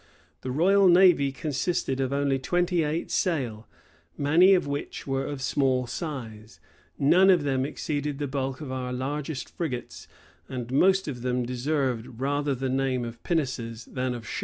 [] The royal navy consisted of only twenty eight sail,[] many of which were of small size; none of them exceeded the bulk of our largest frigates, and most of them deserved rather the name of pinnaces than of ships.